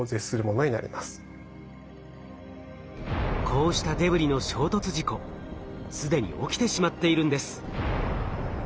こうしたデブリの衝突事故既に起きてしまっているんです。